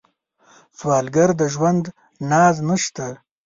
سوالګر د ژوند ناز نشته